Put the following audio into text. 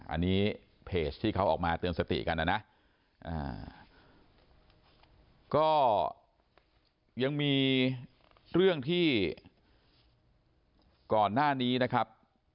อันนี้เพจที่เขาออกมาเตือนสติกันนะนะก็ยังมีเรื่องที่ก่อนหน้านี้นะครับ